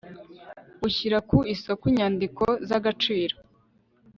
b Ushyira ku isoko inyandiko z agaciro